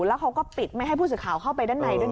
แล้วเขาก็ปิดไม่ให้ผู้สื่อข่าวเข้าไปด้านในด้วยนะ